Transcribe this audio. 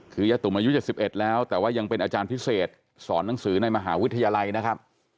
คือยะตุ่มอายุ๗๑แล้วแต่ว่ายังเป็นอาจารย์พิเศษสอนหนังสือในมหาวิทยาลัยนะครับ